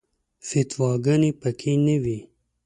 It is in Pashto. فتواګانې په کې نه وي.